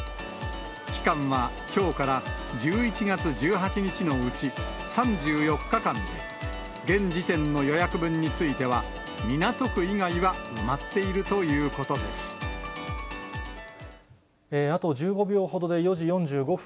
期間はきょうから１１月１８日のうち３４日間で、現時点の予約分については、港区以外は埋まっているというこあと１５秒ほどで４時４５分、